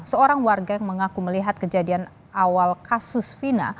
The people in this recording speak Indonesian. seorang warga yang mengaku melihat kejadian awal kasus fina